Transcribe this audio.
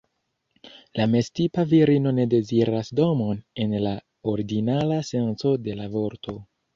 La meztipa virino ne deziras domon en la ordinara senco de la vorto.